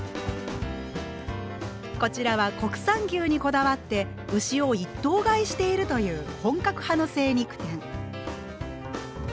こちらは国産牛にこだわって牛を一頭買いしているという本格派の精肉店。